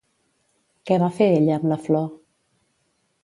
Què va fer ella amb la flor?